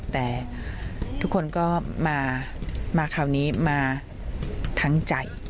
แต่ทุกคนก็มาคราวนี้มาทั้งใจ